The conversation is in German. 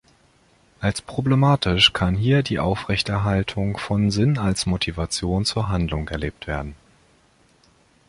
Als problematisch kann hier die Aufrechterhaltung von Sinn als Motivation zur Handlung erlebt werden.